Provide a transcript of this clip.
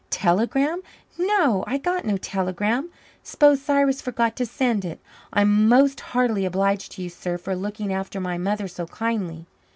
Telegram? No, I got no telegram. S'pose Cyrus forgot to send it. I'm most heartily obliged to you, sir, for looking after my mother so kindly."